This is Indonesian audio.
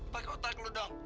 pakai otak lo dong